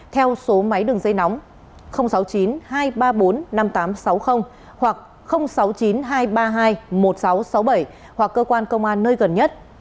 theo số máy đường dây nóng sáu mươi chín hai trăm ba mươi bốn năm nghìn tám trăm sáu mươi hoặc sáu mươi chín hai trăm ba mươi hai một nghìn sáu trăm sáu mươi bảy hoặc cơ quan công an nơi gần nhất